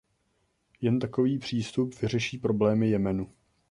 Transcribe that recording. Jen takový přístup vyřeší problémy Jemenu.